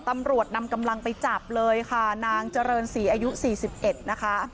ตำรวจนำกำลังไปจับเลยค่ะนางเจริญศรีอายุ๔๑นะคะ